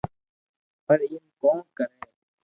پر ايم ڪو ڪري